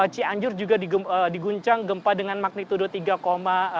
cianjur juga di guncang gempa dengan magnitudo tiga tiga